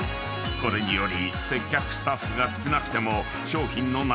［これにより］